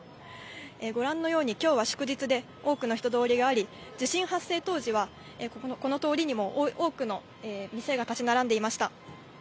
ご覧のように、きょうは祝日で、多くの人通りがあり、地震発生当時は、この通りにも、多くの店が建ち並んでいました。